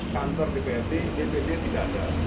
kantor dpp tidak ada